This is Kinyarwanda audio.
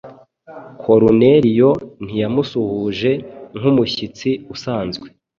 Koruneliyo ntiyamusuhuje nk’umushyitsi usanzwe;